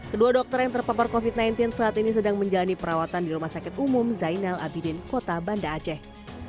kedua dokter yang terpapar covid sembilan belas saat ini sedang menjalani perawatan di rumah sakit umum zainal abidin kota banda aceh